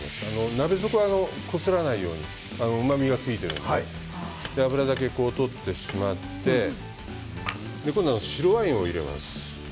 鍋底はこすらないようにうまみがついていますから油だけ取ってしまって白ワインを入れます。